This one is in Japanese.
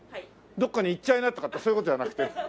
どっかに行っちゃいなとかってそういう事ではなくて？